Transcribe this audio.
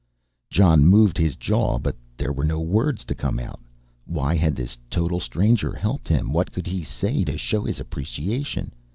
Jon moved his jaw, but there were no words to come out. Why had this total stranger helped him, what could he say to show his appreciation?